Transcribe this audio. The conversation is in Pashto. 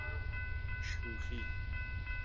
شوخي.